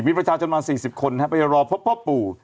มีประชาชนมา๔๐คนไปรอพบพ่อปู่